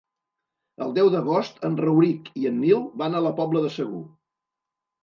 El deu d'agost en Rauric i en Nil van a la Pobla de Segur.